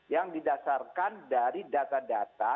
yang didasarkan dari data data